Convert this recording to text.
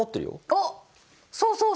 おっそうそうそう！